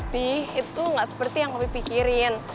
pi itu tuh gak seperti yang kopi pikirin